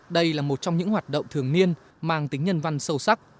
đây là một trong những hoạt động thường niên mang tính nhân văn sâu sắc